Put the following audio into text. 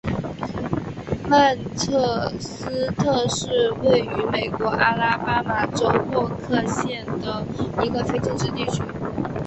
曼彻斯特是位于美国阿拉巴马州沃克县的一个非建制地区。